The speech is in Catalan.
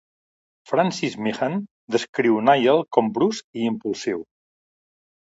Francis Meehan descriu a Nyel com brusc i impulsiu.